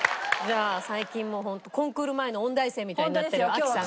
最近もうホントコンクール前の音大生みたいになってる亜希さん。